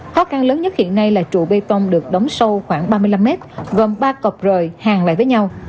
khó khăn lớn nhất hiện nay là trụ bê tông được đóng sâu khoảng ba mươi năm mét gồm ba cọc rời hàng lại với nhau